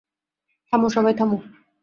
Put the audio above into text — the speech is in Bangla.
থামো, সবাই থামো!